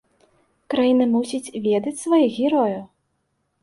Краіна мусіць ведаць сваіх герояў!